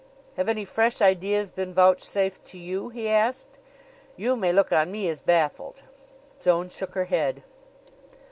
"Have any fresh ideas been vouchsafed to you?" he asked. "You may look on me as baffled." Joan shook her head.